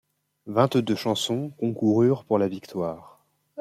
Vingt-deux chansons concoururent pour la victoire.